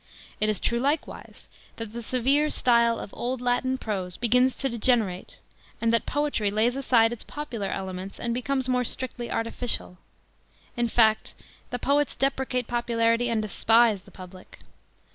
It is true likewise that the severe style of old Latin prose begins to degenerate, and that poetry lays aside its popular elements and becomes more strictly artificial. In fact the poetc deprecate popularity and despise the public.